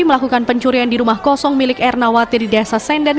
melakukan pencurian di rumah kosong milik ernawati di desa senden